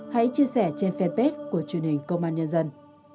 hãy chia sẻ trên fanpage của truyền hình công an nhân dân